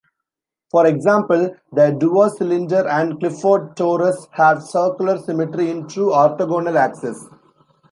For example the duocylinder and Clifford torus have circular symmetry in two orthogonal axes.